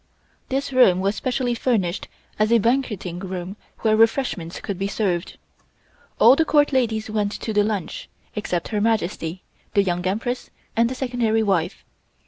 This room was specially furnished as a banqueting room where refreshments could be served. All the Court ladies went to the lunch, except Her Majesty, the Young Empress and the Secondary wife.